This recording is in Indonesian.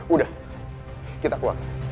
udah kita keluar